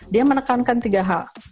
dia menekankan tiga hal